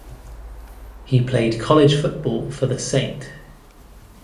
He played college football for the St.